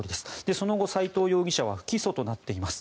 その後斎藤容疑者は不起訴となっています。